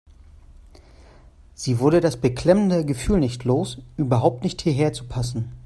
Sie wurde das beklemmende Gefühl nicht los, überhaupt nicht hierher zu passen.